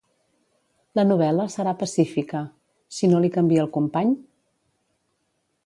La novel·la serà pacífica, si no li canvia el company?